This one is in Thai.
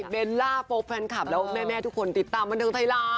เบลล่าโฟแฟนคลับแล้วแม่ทุกคนติดตามบันเทิงไทยรัฐ